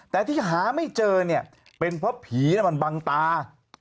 แต่ที่หาไม่เจอเนี่ยเป็นเพราะผีมันบังตา